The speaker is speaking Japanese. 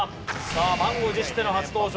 満を持しての初登場